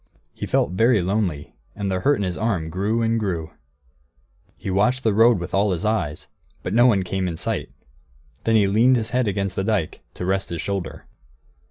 He felt very lonely, and the hurt in his arm grew and grew. He watched the road with all his eyes, but no one came in sight. Then he leaned his head against the dike, to rest his shoulder.